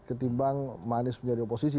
ketimbang manis menjadi oposisi